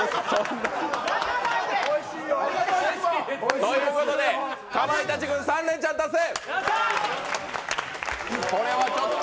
おいしいよ。ということで、かまいたち軍３レンチャン達成。